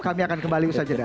kami akan kembali usaha jeda